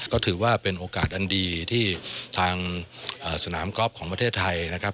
ก็ถือว่าเป็นโอกาสอันดีที่ทางสนามกอล์ฟของประเทศไทยนะครับ